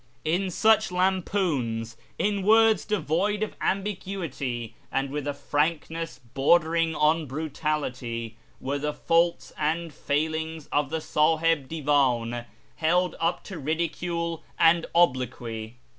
In such lampoons, in words devoid of ambiguity, and with a frankness bordering on brutality, were the faults and failings of the Sahib Divan held up to ridicule and obloquy.